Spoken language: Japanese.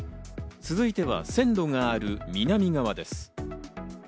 続いては線路がある南側です。